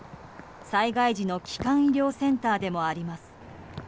災害時の基幹医療センターでもあります。